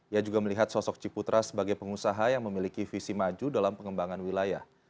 ia juga melihat sosok ciputra sebagai pengusaha yang memiliki visi maju dalam pengembangan wilayah